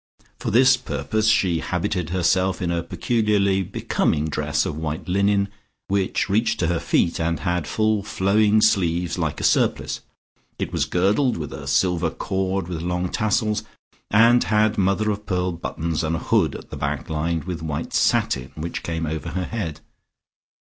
For this purpose she habited herself in a peculiarly becoming dress of white linen, which reached to her feet and had full flowing sleeves like a surplice. It was girdled with a silver cord with long tassels, and had mother of pearl buttons and a hood at the back lined with white satin which came over her head.